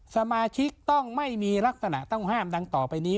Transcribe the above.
สมาชิกต้องไม่มีลักษณะต้องห้ามดังต่อไปนี้